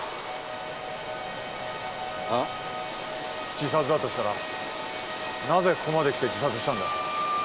自殺だとしたらなぜここまで来て自殺したんだ？